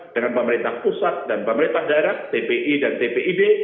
dengan pemerintah pusat dan pemerintah daerah tpi dan tpid